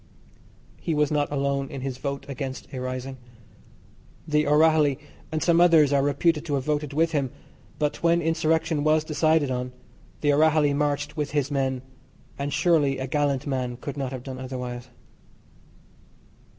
He was not alone in his vote against a rising. The O'Rahilly and some others are reputed to have voted with him, but when insurrection was decided on, the O'Rahilly marched with his men, and surely a gallant man could not have done otherwise.